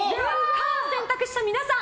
可を選択した皆さん